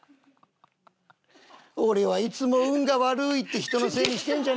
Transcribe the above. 「俺はいつも運が悪い」って人のせいにしてんじゃねえよ。